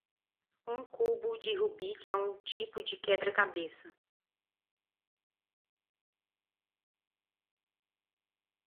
Um cubo de rubik é um tipo de quebra-cabeça.